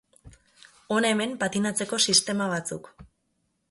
Hona hemen patinatzeko sistema batzuk.